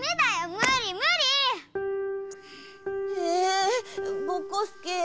むりむり！ええぼこすけ。